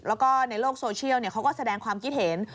แล้วก็ในโลกโซเชียลเขาก็แสดงความคิดเห็น